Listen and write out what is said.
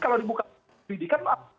kalau dibuka penyelidikan